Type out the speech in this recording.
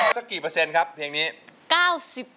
สักกี่เปอร์เซ็นต์ครับเพลงนี้